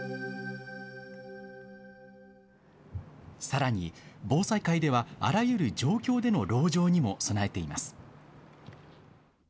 さらに防災会ではあらゆる状況での籠城にも備えています。